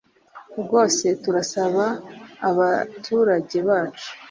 rwose turasaba abaturage bacu